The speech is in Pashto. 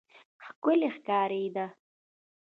ښکلی ښکارېده.